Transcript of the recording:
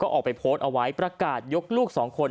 ออกไปโพสต์เอาไว้ประกาศยกลูกสองคน